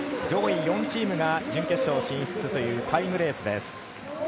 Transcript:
上位４チームが準決勝進出というタイムレースです。